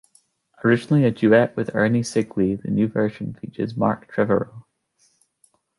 Originally a duet with Ernie Sigley, the new version features Mark Trevorrow.